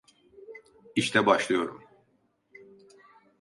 İşte başlıyorum.